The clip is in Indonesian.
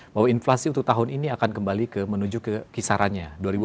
bahwa inflasi untuk tahun ini akan kembali menuju ke kisarannya